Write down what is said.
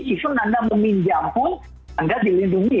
susun anda meminjam pun anda dilindungi